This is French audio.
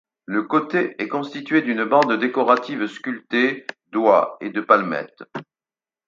Le coté est constitué d'une bande décorative sculptée d'oies et de palmettes.